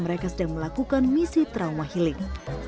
mereka sedang melakukan misi trauma healing